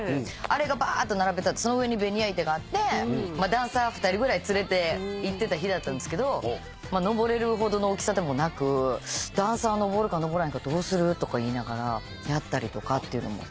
あれがばーっと並べてあってその上にベニヤ板があってダンサー２人ぐらい連れて行ってた日だったんですけどのぼれるほどの大きさでもなくダンサーのぼるかのぼらへんかどうする？とか言いながらやったりとかっていうのも。